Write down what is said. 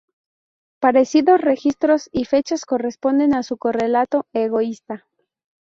Parecidos registros y fechas corresponden a su correlato "egoísta".